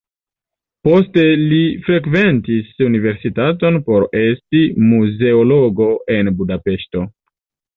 Poste li frekventis universitaton por esti muzeologo en Budapeŝto.